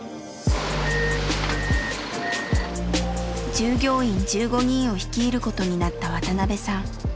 従業員１５人を率いることになった渡邊さん。